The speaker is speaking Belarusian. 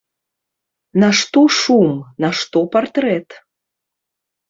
Нашто шум, нашто партрэт?